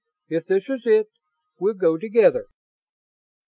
If this is it, we'll go together."